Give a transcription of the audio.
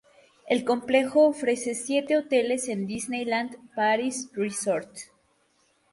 El complejo ofrece siete hoteles en Disneyland Paris Resort.